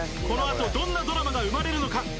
この後どんなドラマが生まれるのか？